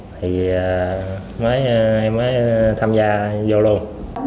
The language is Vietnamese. thì em mới tham gia vô luôn